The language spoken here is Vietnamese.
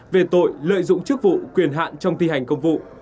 về tội lợi dụng chức vụ quyền hạn trong thi hành công vụ